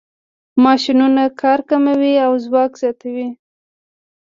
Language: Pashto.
ماشینونه کار کموي او ځواک زیاتوي.